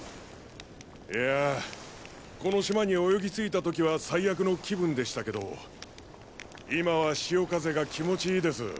いやぁこの島に泳ぎ着いた時は最悪の気分でしたけど今は潮風が気持ちいいです。